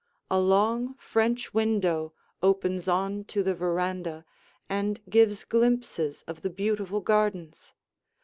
A long French window opens on to the veranda and gives glimpses of the beautiful gardens.